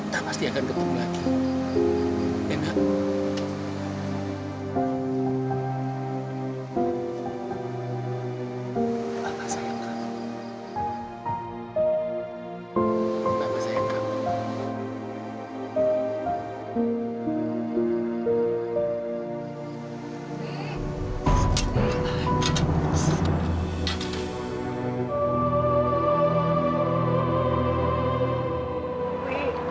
bapak kamu memang sudah meninggal nak